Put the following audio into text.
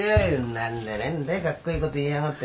何だ何だかっこいいこと言いやがって。